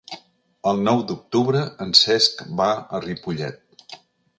El nou d'octubre en Cesc va a Ripollet.